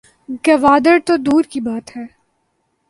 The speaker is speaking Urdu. گوادر تو دور کی بات ہے